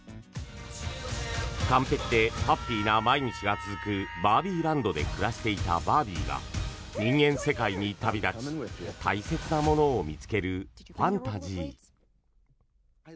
完璧でハッピーな毎日が続くバービーランドで暮らしていたバービーが人間世界に旅立ち大切なものを見つけるファンタジー。